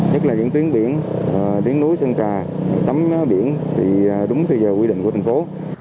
nhất là những tuyến biển tuyến núi sân trà tắm biển đúng thời gian quy định của thành phố